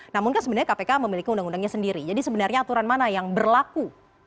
namun kan sebenarnya kpk memiliki undang undangnya sendiri jadi sebenarnya aturan mana yang berlaku